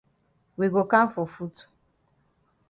We go kam for foot.